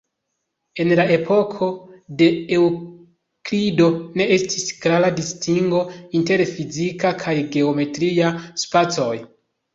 En la epoko de Eŭklido, ne estis klara distingo inter fizika kaj geometria spacoj.